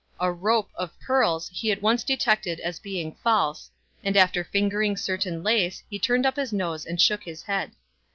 A "rope" of pearls he at once detected as being false, and after fingering certain lace he turned up his nose and shook his head.